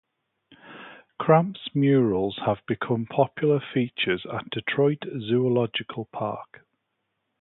Kramp's murals have become popular features at Detroit Zoological Park.